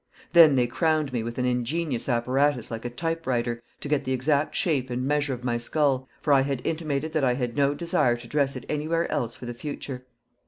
Then they crowned me with an ingenious apparatus like a typewriter, to get the exact shape and measure of my skull, for I had intimated that I had no desire to dress it anywhere else for the future.